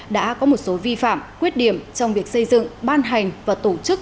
đã có một số vi phạm khuyết điểm trong việc xây dựng ban hành và tổ chức